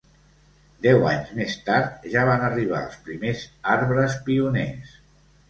Deu anys més tard ja van arribar els primers arbres pioners.